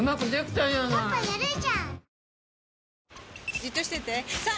じっとしてて３！